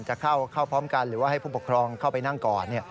จะเข้าพร้อมกันหรือว่าให้ผู้ปกครองเข้าไปนั่งก่อน